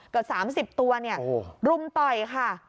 เกือบ๓๐ตัวรุมต่อยค่ะ